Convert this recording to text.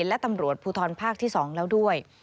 และตำรวจภูทรภาคที่๒แล้วด้วย